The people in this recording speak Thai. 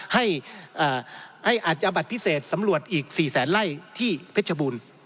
ให้ประเศษสำรวจอีก๔แสนไล่ที่เพชรบูล